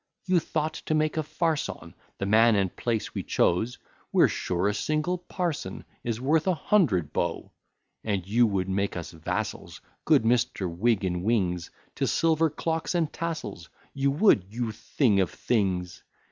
You thought to make a farce on The man and place we chose; We're sure a single parson Is worth a hundred beaux. And you would make us vassals, Good Mr. Wig and Wings, To silver clocks and tassels; You would, you Thing of Things!